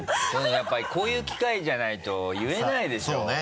やっぱりこういう機会じゃないと言えないでしょう。